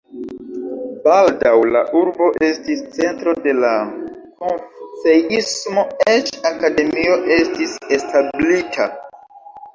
Baldaŭ la urbo estis centro de la konfuceismo, eĉ akademio estis establita.